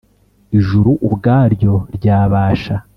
Ijuru Ubwaryo Ryabasha